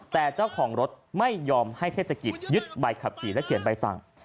แต่เจ้าของรถไม่ยอมให้เทศกิจยึดใบขับขี่และเขียนใบสั่ง